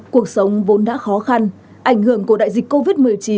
cuộc sống vốn đã khó khăn ảnh hưởng của đại dịch covid một mươi chín